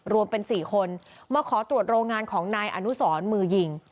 รวมเป็น๔คนมาขอตรวจโรงงานของนายอนุสรมือยิง